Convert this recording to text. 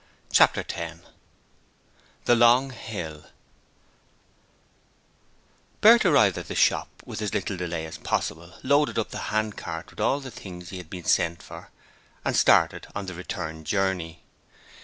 Chapter 10 The Long Hill Bert arrived at the shop and with as little delay as possible loaded up the handcart with all the things he had been sent for and started on the return journey.